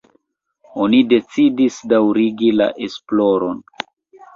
Oni decidis daŭrigi la esploron.